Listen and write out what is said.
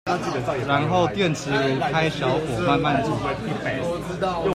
然後電磁爐開小火慢慢煮